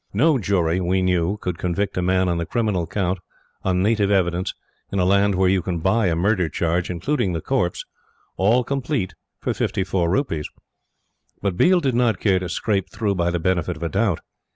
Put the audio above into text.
No jury, we knew, could convict a man on the criminal count on native evidence in a land where you can buy a murder charge, including the corpse, all complete for fifty four rupees; but Biel did not care to scrape through by the benefit of a doubt.